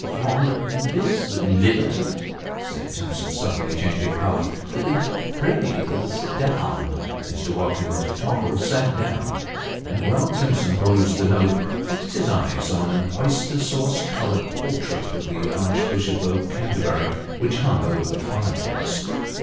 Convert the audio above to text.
" From Miss Lillerton !" said Timson, suddenly changing colour. " Pray sit down." Mr. Watkins Tottle sat down ; and while Timson perused the note, fixed his eyes on an oystor sauce coloured portrait of the Archbishop of Canterbury, which hung over the fire place.